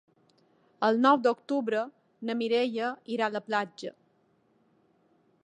El nou d'octubre na Mireia irà a la platja.